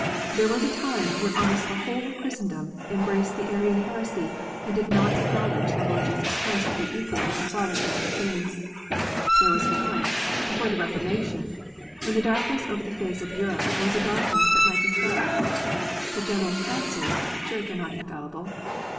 There was a time when almost the whole of Christendom embraced the Arian heresy, and did not acknowledge the Lord Jesus Christ to be equal with the Father in all things. There was a time, before the Eeformation, when the darkness over the face of Europe was a darkness that might be felt. The General Councils of the Church are not infallible.